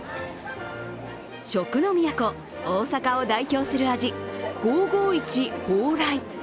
食の都、大阪を代表する味、５５１ＨＯＲＡＩ。